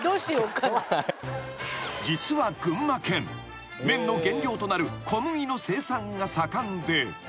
［実は群馬県麺の原料となる小麦の生産が盛んで］